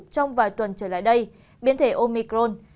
trong vài tuần trở lại đây biến thể omicron